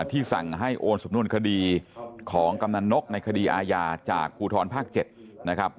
ที่สั่งให้โอนสำนวนคดีของกำนันนกในคดีอาญาจากภูทรภาค๗นะครับ